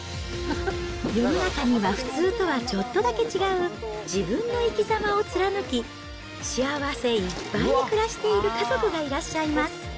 世の中には普通とはちょっとだけ違う自分の生きざまを貫き、幸せいっぱいに暮らしている家族がいらっしゃいます。